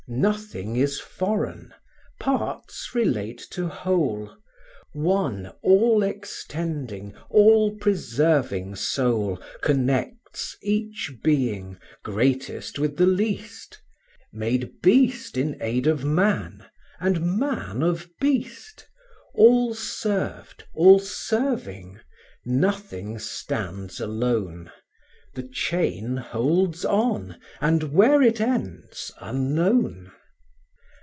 Nothing is foreign: parts relate to whole; One all extending, all preserving soul Connects each being, greatest with the least; Made beast in aid of man, and man of beast; All served, all serving: nothing stands alone; The chain holds on, and where it ends, unknown.